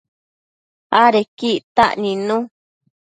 Adequi ictac nidnu